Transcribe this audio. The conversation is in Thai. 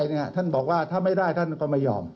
อย่างที่ท่านบอกว่าถ้าไม่ได้ท่านก็ไม่ยอม